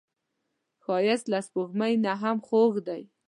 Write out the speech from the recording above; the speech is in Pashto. ښایست له سپوږمۍ نه هم خوږ دی